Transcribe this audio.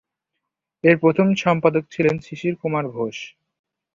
এর প্রথম সম্পাদক ছিলেন শিশির কুমার ঘোষ।